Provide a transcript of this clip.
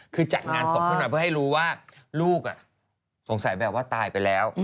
คือจัดงานศพขึ้นมาเพื่อให้รู้ว่าลูกสงสัยแบบว่าตายไปแล้ว